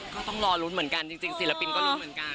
ก็ต้องรอลุ้นเหมือนกันจริงศิลปินก็ลุ้นเหมือนกัน